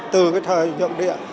từ cái thời nhượng địa